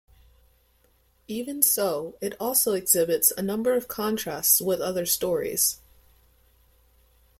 Even so, it also exhibits a number of contrasts with other stories.